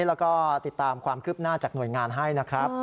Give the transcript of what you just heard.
แล้วก็ติดตามความคืบหน้าจากหน่วยงานให้นะครับ